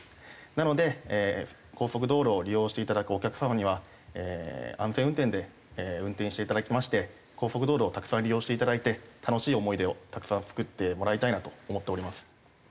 なので高速道路を利用していただくお客様には安全運転で運転していただきまして高速道路をたくさん利用していただいて楽しい思い出をたくさん作ってもらいたいなと思っております。